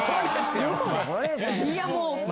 いやもう。